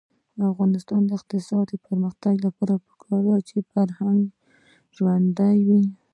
د افغانستان د اقتصادي پرمختګ لپاره پکار ده چې فرهنګ ژوندی وي.